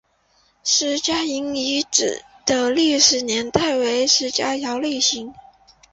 石家营遗址的历史年代为马家窑类型。